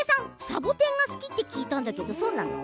サボテンが好きって聞いたけどそうなの？